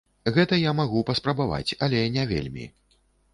Гэта я магу паспрабаваць, але не вельмі.